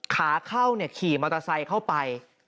ขาเข้าขี่มอเตอร์ไซค์เข้าไป